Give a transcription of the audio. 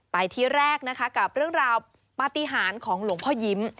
ไปที่แรกนะคะกับเรื่องราวปฏิหารของหลวงพ่อยิ้ม